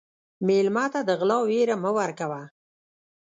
مېلمه ته د غلا وېره مه ورکوه.